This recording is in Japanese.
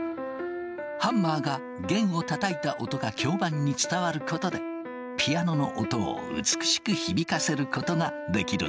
ハンマーが弦をたたいた音が響板に伝わることでピアノの音を美しく響かせることができるんだ。